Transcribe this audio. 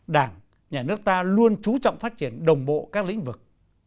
đảng nhà nước ta luôn chú trọng phát triển đồng bộ các lĩnh vực